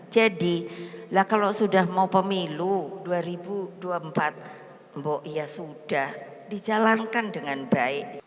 jadi lah kalau sudah mau pemilu dua ribu dua puluh empat ya sudah dijalankan dengan baik